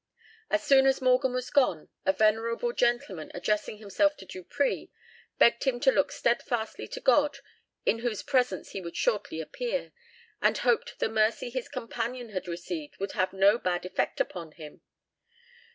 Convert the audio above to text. "As soon as Morgan was gone, a venerable gentleman, addressing himself to Dupree, begged him to look steadfastly to God, in whose presence he would shortly appear, and hoped the mercy his companion had received would have no bad effect upon him.